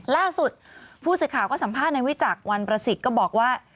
ล่าสุดผู้เศรษฐาข้อสัมภาษณ์นายวิจักรวรรณประสิทธิ์ก็บอกว่า